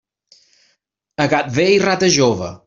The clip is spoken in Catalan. A gat vell, rata jove.